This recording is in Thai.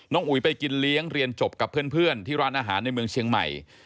อุ๋ยไปกินเลี้ยงเรียนจบกับเพื่อนที่ร้านอาหารในเมืองเชียงใหม่